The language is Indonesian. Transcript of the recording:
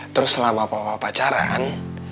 terus selama papa pacaran